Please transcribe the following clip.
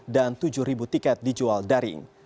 dan tujuh tiket dijual daring